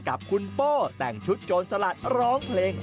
กับคุณโป้แต่งชุดโจรสลัดร้องเพลง